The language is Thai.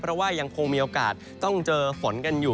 เพราะว่ายังคงมีโอกาสต้องเจอฝนกันอยู่